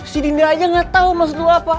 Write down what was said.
si dinda aja gak tau maksud lu apa